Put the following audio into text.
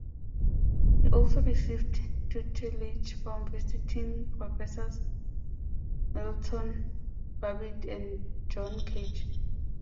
He also received tutelage from visiting professors Milton Babbitt and John Cage.